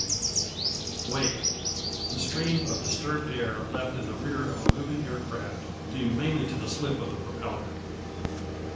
W Wake The stream of disturbed air left in the rear of a moving aircraft, due mainly to the slip of the propeller.